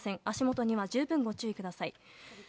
足元には十分ご注意ください。